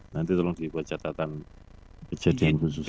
nanti tolong dibuat catatan kejadian khususnya